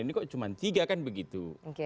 ini kok cuma tiga kan begitu